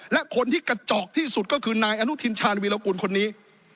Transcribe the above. และคนที่กระจอกที่สุดก็คือนายอนุทินชาญวีรกุลคนนี้